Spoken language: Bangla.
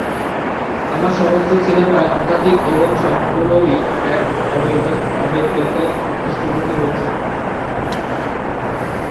আমার সমস্ত সিনেমাই আধ্যাত্মিক এবং সবগুলোরই এক আবেগগত দৃষ্টিভঙ্গি রয়েছে।